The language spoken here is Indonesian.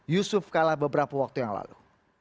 yusuf kala beberapa waktu yang lalu